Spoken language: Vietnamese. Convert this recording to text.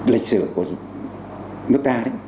lịch sử của nước ta